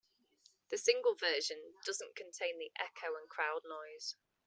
The single version doesn't contain the echo and crowd noise.